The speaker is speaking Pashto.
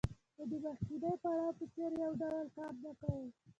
خو د مخکیني پړاو په څېر یې یو ډول کار نه کاوه